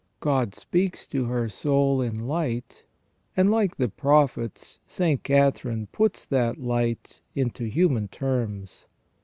God speaks to her soul in light, and, like the prophets, St. Catherine puts that light into human terms.